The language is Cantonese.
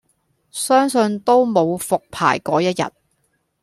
相信都無復牌果一日